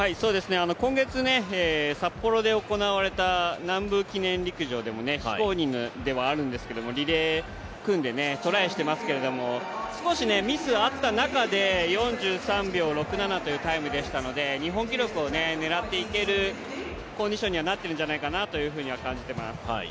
今月、札幌で行われた南部記念陸上でも非公認ではあるんですが、リレーを組んでトライしていますが少しミスあった中で、４３秒６７というタイムでしたので日本記録を狙っていけるコンディションにはなってるんじゃないかなと感じてます。